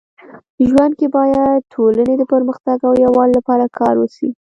ژوند کي باید ټولني د پرمختګ او يووالي لپاره کار وسي.